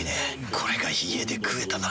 これが家で食えたなら。